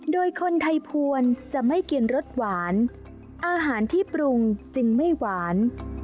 โดยคนไทยพวนจะไม่กินรสหวานอาหารที่ปรุงจึงไม่หวาน